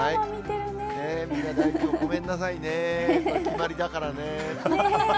みんな、大丈夫、ごめんなさいね、これ、決まりだからね。